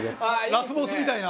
ラスボスみたいな？